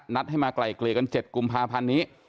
นัดให้มาไกลเกลี่ยกัน๗กุมภาพันธ์นี้